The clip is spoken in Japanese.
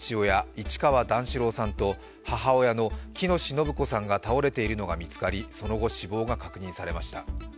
市川段四郎さんと母親の喜熨斗延子さんが倒れているのが見つかりその後、死亡が確認されました。